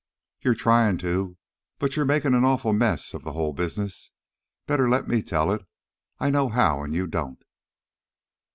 "You're trying to, but you're making an awful mess of the whole business. Better let me tell it. I know how and you don't."